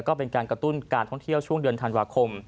ก็เป็นการกระตุ้นการท่องเที่ยวช่วงเดือนธันวาคม